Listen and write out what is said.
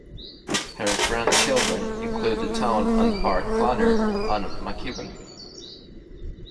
Her grandchildren include the town and park planner Ann MacEwen.